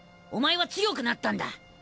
お前は強くなったんだ。